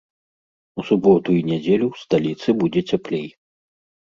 У суботу і нядзелю ў сталіцы будзе цяплей.